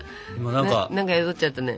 何か宿っちゃったね。